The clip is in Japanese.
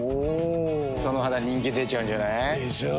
その肌人気出ちゃうんじゃない？でしょう。